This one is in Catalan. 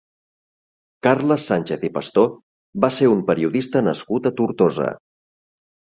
Carles Sánchez i Pastor va ser un periodista nascut a Tortosa.